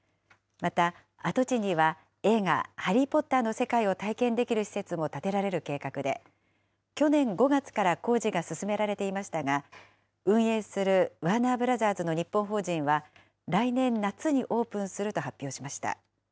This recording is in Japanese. また跡地には映画、ハリー・ポッターの世界を体験できる施設も建てられる計画で、去年５月から工事が進められていましたが、運営するワーナーブラザースの日本法人は、来年夏にオープンすると発表しました。